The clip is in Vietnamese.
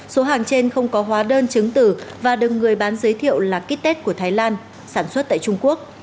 số hàng trên không có hóa đơn chứng tử và đừng người bán giới thiệu là kit test của thái lan sản xuất tại trung quốc